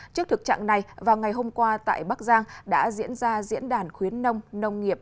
trước thực trạng này vào ngày hôm qua tại bắc giang đã diễn ra diễn đàn khuyến nông nông nghiệp